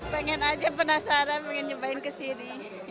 pengen aja penasaran pengen nyobain kesini